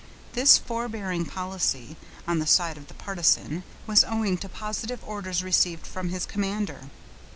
This forbearing policy, on the side of the partisan, was owing to positive orders received from his commander.